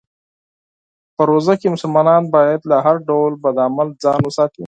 په روژه کې مسلمانان باید له هر ډول بد عمل ځان وساتي.